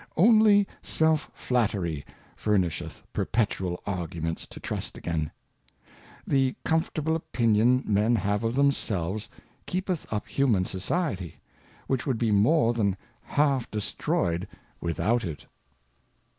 Only Self flattery furnisheth perpetual Arguments to trust again : The comfortable Opinion Men have of themselves keepeth up Human Society, which would be more than half destroyed without it.